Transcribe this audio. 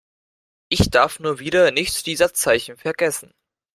Ich darf nur wieder nicht die Satzzeichen vergessen.